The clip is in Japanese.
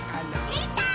できたー！